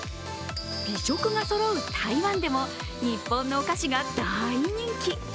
美食がそろう台湾でも日本のお菓子が大人気。